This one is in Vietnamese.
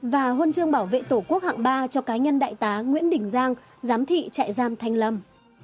và huân chương bảo vệ tổ quốc hạng ba cho cá nhân đại tá nguyễn đình giang giám thị trại giam thanh lâm